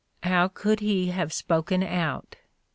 — how could he have spoken out